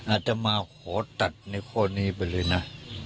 อาจจะมาขอตัดในข้อนี้ไปเลยนะ